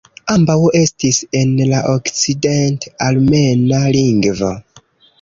Ambaŭ estis en la okcident-armena lingvo.